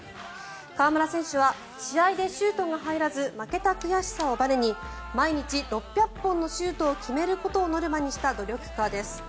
河村選手は試合でシュートが入らず負けた悔しさをばねに毎日６００本のシュートを決めることをノルマにした努力家です。